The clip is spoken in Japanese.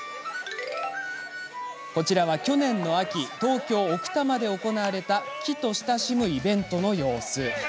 こちらは去年の秋東京・奥多摩で行われた木と親しむイベントの様子です。